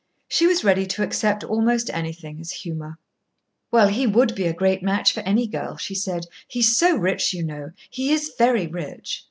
She was ready to accept almost anything as humour. "Well, he would be a great match for any girl," she said. "He is so rich, you know. He is very rich."